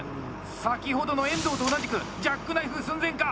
先ほどの遠藤と同じくジャックナイフ寸前か！